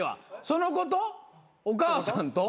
その子とお母さんと。